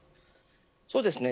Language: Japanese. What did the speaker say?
そうですね。